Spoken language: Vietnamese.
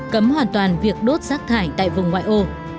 cấm hoàn toàn việc đốt rác thải tại vùng ngoại ô